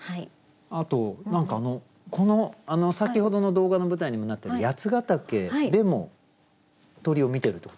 あと何か先ほどの動画の舞台にもなってる八ヶ岳でも鳥を見てるってことなんですね？